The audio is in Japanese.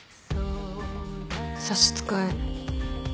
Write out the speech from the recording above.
差し支え。